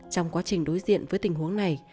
trong quá trình đối diện với tình huống này